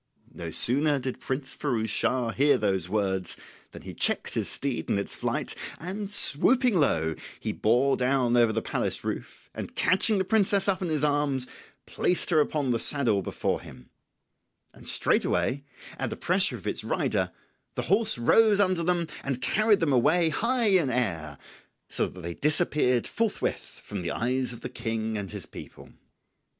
] No sooner did Prince Firouz Schah hear those words than he checked his steed in its flight, and swooping low he bore down over the palace roof, and catching the princess up in his arms placed her upon the saddle before him; and straightway at the pressure of its rider the horse rose under them and carried them away high in air, so that they disappeared forthwith from the eyes of the King and his people.